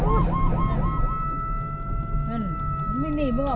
ผู้ชีพเราบอกให้สุจรรย์ว่า๒